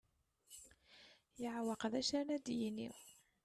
Yeɛweq d acu ara d-yini.